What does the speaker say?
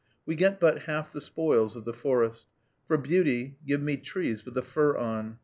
We get but half the spoils of the forest. For beauty, give me trees with the fur on.